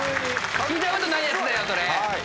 聞いたことないやつだよそれ。